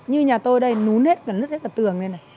như nhà tôi ở đây lún hết lứt hết cả tường lên này